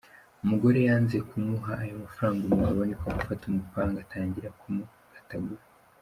Umugore yanze kumuha ayo mafaranga umugabo niko gufata umupanga atangira mu mukatagura.